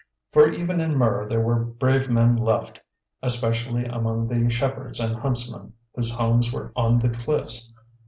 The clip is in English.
For even in Mur there were brave men left, especially among the shepherds and huntsmen, whose homes were on the cliffs.